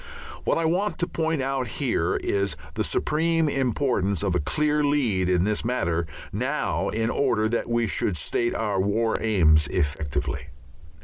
What I want to point out here is the supreme importance of a clear lead in this matter now in order that we should state our War Aims effectively.